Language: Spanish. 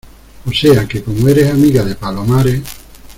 o sea, que como eres amiga de Palomares